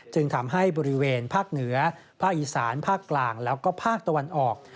จึงทำให้บริเวณภาคเหนือภาคอีสานภาคกลางแล้วก็ภาคตะวันออก